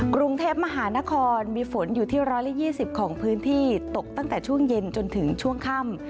กรุงเทพมหานครมีฝนอยู่ที่๑๒๐ของพื้นที่ตกตั้งแต่ช่วงเย็นจนถึงช่วงค่ำ